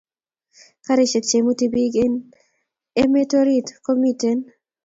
Karishek che imuti pik en emet orit komkiten